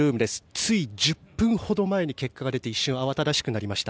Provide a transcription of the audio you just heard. つい１０分ほど前に結果が出て一瞬慌ただしくなりました。